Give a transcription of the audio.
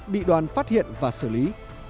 bị đoàn phát hiện và xử lý